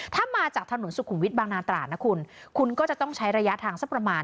ถ้ามาจากถนนสุขุมวิทยบางนาตราดนะคุณคุณก็จะต้องใช้ระยะทางสักประมาณ